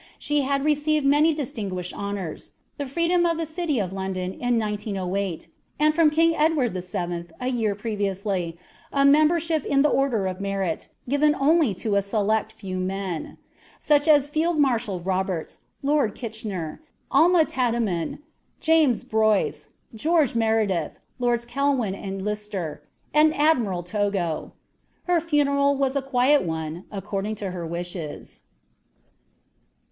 She had received many distinguished honors: the freedom of the city of London in 1908, and from King Edward VII, a year previously, a membership in the Order of Merit, given only to a select few men; such as Field Marshal Roberts, Lord Kitchener, Alma Tadema, James Bryce, George Meredith, Lords Kelvin and Lister, and Admiral Togo. Her funeral was a quiet one, according to her wishes.